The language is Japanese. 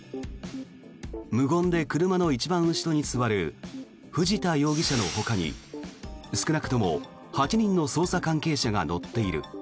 無言で車の一番後ろに座る藤田容疑者のほかに少なくとも８人の捜査関係者が乗っている。